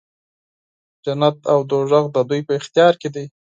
جنت او دوږخ د دوی په اختیار کې دی.